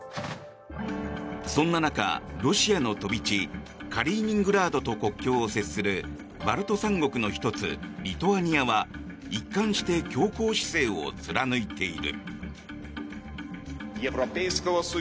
そんな中、ロシアの飛び地カリーニングラードと国境を接するバルト三国の１つ、リトアニアは一貫して強硬姿勢を貫いている。